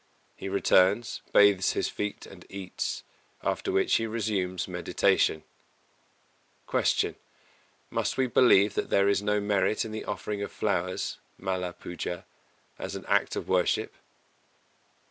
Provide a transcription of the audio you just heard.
He returns, bathes his feet and eats, after which he resumes meditation. 270. Q. _Must we believe that there is no merit in the offering of flowers (mala pūjā) as an act of worship?